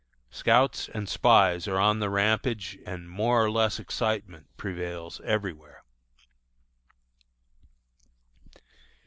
Scouts and spies are on the rampage, and more or less excitement prevails everywhere.